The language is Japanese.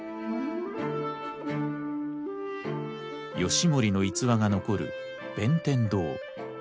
義盛の逸話が残る弁天堂。